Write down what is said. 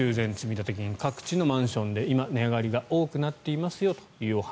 立金各地のマンションで今、値上がりが多くなっていますよというお話。